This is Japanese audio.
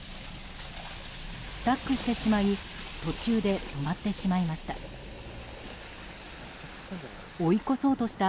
スタックしてしまい途中で止まってしまいました。